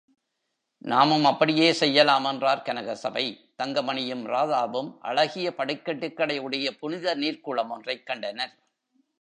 நாமும் அப்படியே செய்யலாம் என்றார் கனகசபை, தங்கமணியும், ராதாவும் அழகிய படிக்கட்டுகளை உடைய புனித நீர்க்குளம் ஒன்றைக் கண்டனர்.